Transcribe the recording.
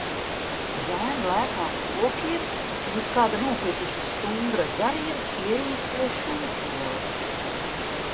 Zēni lēkā pa kokiem un uz kāda nokrituša stumbra zariem ierīko šūpoles.